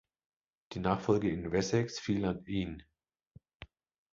Die Nachfolge in Wessex fiel an Ine.